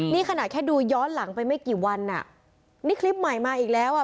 นี่ขนาดแค่ดูย้อนหลังไปไม่กี่วันอ่ะนี่คลิปใหม่มาอีกแล้วอ่ะ